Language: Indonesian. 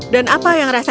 dan apa yang rasanya